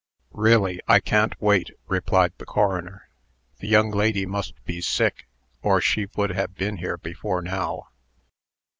"Really, I can't wait," replied the coroner. "The young lady must be sick, or she would have been here before now."